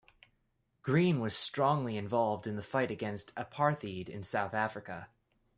Green was strongly involved in the fight against Apartheid in South Africa.